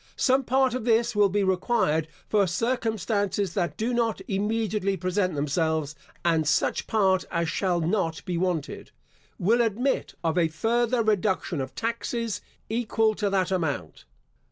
Some part of this will be required for circumstances that do not immediately present themselves, and such part as shall not be wanted, will admit of a further reduction of taxes equal to that amount.